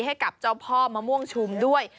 ให้กับเจ้าพ่อมะม่วงชุมด้วย